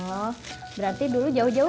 oh berarti dulu jauh jauh